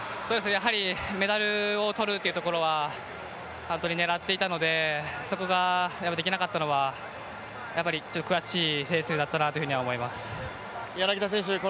メダルを取るっていうところは本当に狙っていたのでそこができなかったのは、やっぱり悔しいレースになったなというふうには思います。